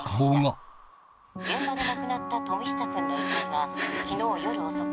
現場で亡くなった富久くんの遺体は昨日夜遅く。